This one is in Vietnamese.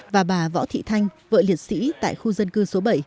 và bà võ thị thanh vợ liệt sĩ tại khu dân cư số bảy